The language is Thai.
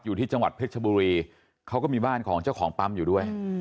อยู่ที่จังหวัดเพชรชบุรีเขาก็มีบ้านของเจ้าของปั๊มอยู่ด้วย